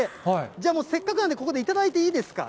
じゃあもう、せっかくなんで、ここで頂いていいですか？